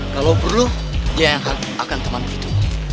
kalo perlu dia yang akan teman begitu